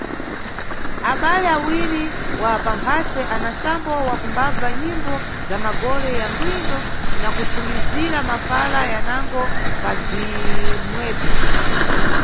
Abale awiri wa mamphase ana nsambo wa kumbabva nyimbo za magole ya ngwindo na kuthumizira mafala yanago pa bzwimwebzwo.